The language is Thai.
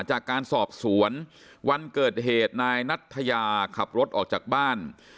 จากการสอบสวนวันเกิดเหตุนายนัทยาขับรถออกจากบ้าน